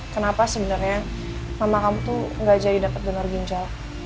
kenapa sebenarnya mama kamu tuh gak jadi dapat donor ginjal